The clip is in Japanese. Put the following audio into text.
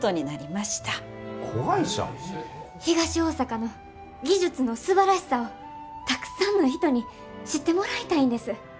東大阪の技術のすばらしさをたくさんの人に知ってもらいたいんです。